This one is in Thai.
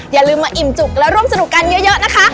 อย่าลืมมาอิ่มจุกและร่วมสนุกกันเยอะนะคะ